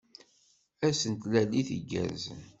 Ass n tlalit igerrzen.